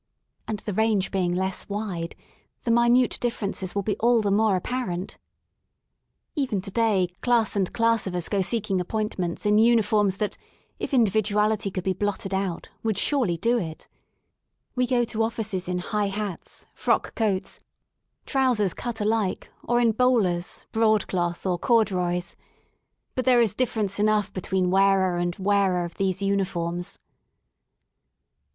And the range being less wide, the minute differences will be all the more apparent. Even to day class and class of us go seeking appointments in uniforms that» if individuality could be blotted out, would surely do it We go to offices in high hats, frock coatSj trousers 170 REST IN LONDON cut alike, or in bowlers, broadcloth, or corduroys. But there is difference enough between wearer and wearer of these uniforms.